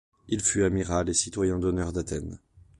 Il fut amiral et citoyen d'honneur d'Athènes.